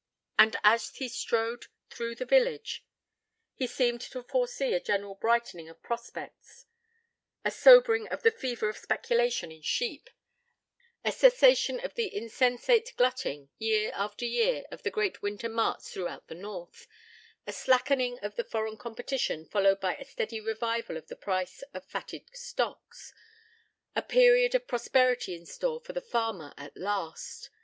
And, as he strode through the village, he seemed to foresee a general brightening of prospects, a sobering of the fever of speculation in sheep, a cessation of the insensate glutting, year after year, of the great winter marts throughout the North, a slackening of the foreign competition followed by a steady revival of the price of fatted stocks a period of prosperity in store for the farmer at last....